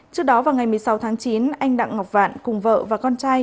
trước đó vào ngày một mươi sáu tháng chín anh đặng ngọc vạn cùng vợ và con trai